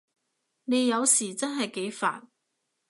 你有時真係幾煩